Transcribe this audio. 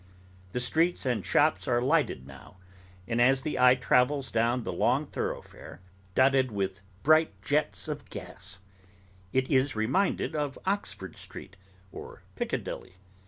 The streets and shops are lighted now; and as the eye travels down the long thoroughfare, dotted with bright jets of gas, it is reminded of Oxford Street, or Piccadilly.